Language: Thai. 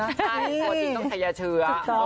ใช่ปกติต้องชัยเชื้อ